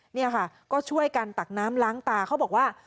นี่ค่ะก็ช่วยกันตักน้ำล้างตาเขาบอกว่า